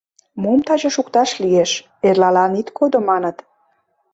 — Мом таче шукташ лиеш — эрлалан ит кодо, маныт.